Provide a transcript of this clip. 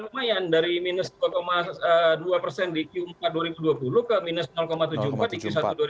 lumayan dari minus dua di q empat dua ribu dua puluh ke minus tujuh puluh empat di q satu dua ribu dua puluh satu